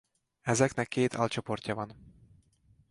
Ezeknek két alcsoportja van.